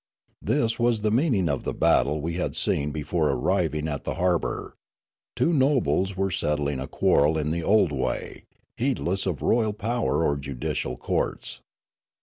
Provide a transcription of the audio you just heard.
This was the meaning of the battle we had seeu before arriving at the harbour ; two nobles were settling a quarrel in the old way, heedless of royal power or judicial courts.